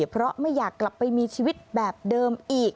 เพราะไม่อยากกลับไปมีชีวิตแบบเดิมอีก